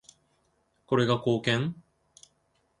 これが貢献？